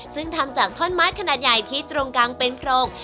ซึ่งทำจากท่อนไม้ขนาดใหญ่ที่ตรงกลางเป็นโพรง